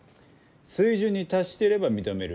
水準に達していれば認める。